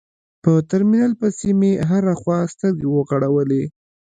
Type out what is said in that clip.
په ترمينل پسې مې هره خوا سترګې وغړولې.